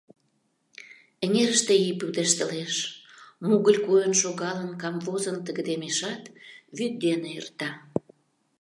Эҥерыште ий пудештылеш, мугыл-ль койын шогалын-камвозын тыгыдемешат, вӱд дене эрта.